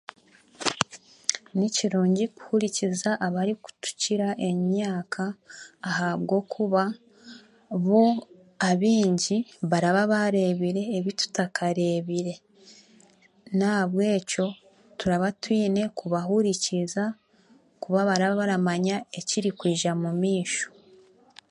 Ni kirungi kuhurikiriza abarikutukira enyaka ahabwokuba bo abaingi baraabareebire ebitutakareebire nahabwekyo turaba twine kubahuurikiiza kuba baraabaramanya ekirikwija mu maisho.